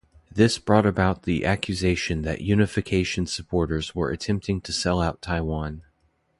This brought about the accusation that unification supporters were attempting to sell out Taiwan.